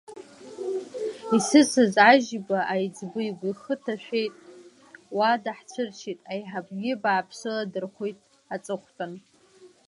Исыцыз Ажьиба аиҵбы игәы ахы ҭашәеит, уа даҳцәыршьит, аиҳабгьы бааԥсыла дырхәит аҵыхәтәан.